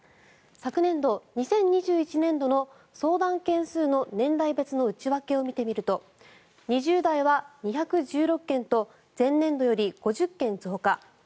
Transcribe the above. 昨年度、２０２１年度の相談件数の年代別の内訳を見てみると２０代は２１６件と前年度より５０件増加。